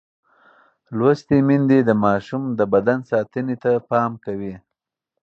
لوستې میندې د ماشوم د بدن ساتنې ته پام کوي.